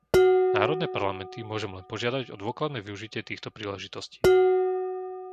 Národné parlamenty môžem len požiadať o dôkladné využitie týchto príležitostí!